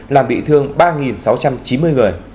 làm bị thương ba sáu trăm chín mươi người